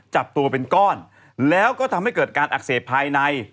จับตัวเป็นก้อนแล้วก็ทำให้เกิดการอักเสบภายใน